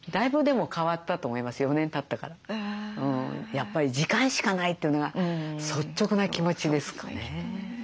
やっぱり時間しかないというのが率直な気持ちですかね。